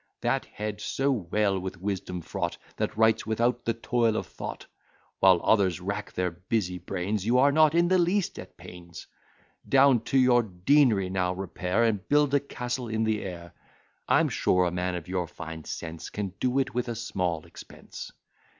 That head so well with wisdom fraught, That writes without the toil of thought! While others rack their busy brains, You are not in the least at pains. Down to your dean'ry now repair, And build a castle in the air. I'm sure a man of your fine sense Can do it with a small expense.